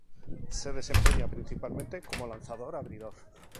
Se desempeña principalmente como lanzador abridor.